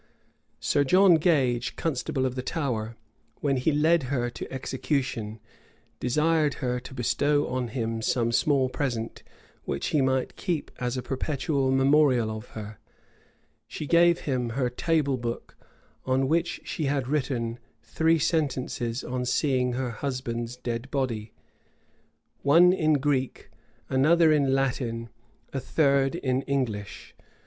Sir John Gage, constable of the Tower, when he led her to execution, desired her to bestow on him some small present, which he might keep as a perpetual memorial of her: she gave him her table book, on which she had just written three sentences on seeing her husband's dead body; one in Greek, another in Latin, a third in English.